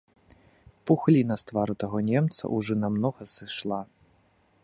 Пухліна з твару таго немца ўжо намнога сышла.